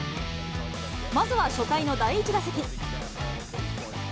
まずは初回の第１打席。